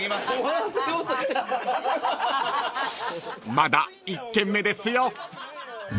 ［まだ１軒目ですよ］